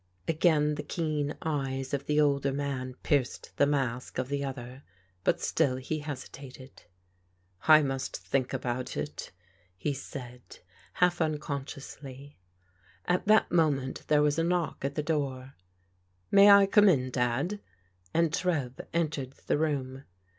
Again the keen eyes of the older man pierced the mask of the other, but still he hesitated. " I must think about it," he said, half unconsciously. At that moment there was a knock at the door. May I come in, Dad?" and Trev entered the room.